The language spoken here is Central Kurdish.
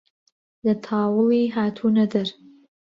لە تاوڵی هاتوونە دەر